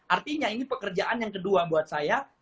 artinya ini pekerjaan yang kedua buat saya